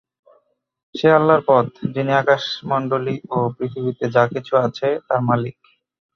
সে আল্লাহর পথ যিনি আকাশমণ্ডলী ও পৃথিবীতে যা কিছু আছে তার মালিক।